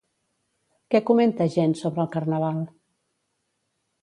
Què comenta gent sobre el Carnaval?